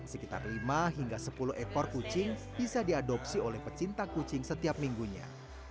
sekitar lima hingga sepuluh ekor kucing bisa diadopsi oleh pecinta kucing setiap minggunya